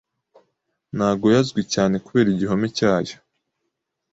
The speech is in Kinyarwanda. Nagoya azwi cyane kubera igihome cyayo.